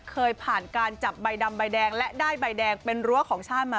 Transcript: เคยผ่านการจับใบดำใบแดงและได้ใบแดงเป็นรั้วของชาติมา